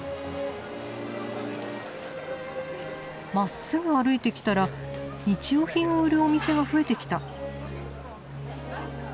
まっすぐ歩いてきたら日用品を売るお店が増えてきた。